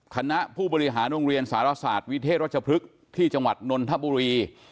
คณะผู้บริหารโรงเรียนสารศาสตร์วิเทศรัชพฤกษ์ที่จังหวัดนนทบุรี